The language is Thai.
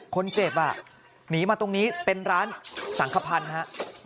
คนเจ็บหนีมาตรงนี้เป็นร้านสังขพันธ์ฮะ